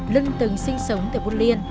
lân từng sinh sống tại buôn liên